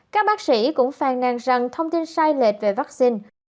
các bác sĩ cũng phàn nàn rằng thông tin sai lệch về vaccine